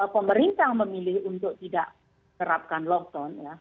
pemerintah memilih untuk tidak terapkan lockdown ya